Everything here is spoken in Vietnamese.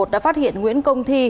đã phát hiện nguyễn công thi